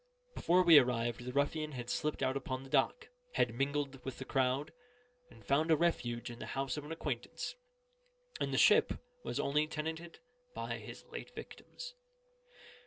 Before we arrived, the ruffian had slipped out upon the dock, had mingled with the crowd, and found a refuge in the house of an acquaintance; and the ship was only tenanted by his late victims.